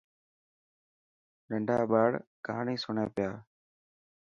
تڌا ٻاڙ ڪهاني سڻي پيا.